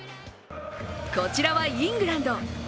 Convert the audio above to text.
こちらはイングランド。